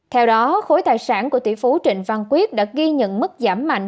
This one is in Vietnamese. theo đó khối tài sản của tỷ phú trịnh văn quyết đã ghi nhận mức giảm mạnh